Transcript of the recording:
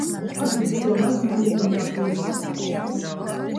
Abi dzīvo mazmazītiņā dzīvoklītī